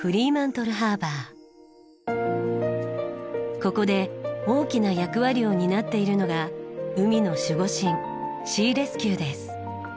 ここで大きな役割を担っているのが海の守護神シーレスキューです。